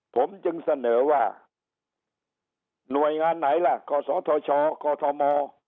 ผมจึงเสนอว่าหน่วยงานไหนล่ะกศธชกอทม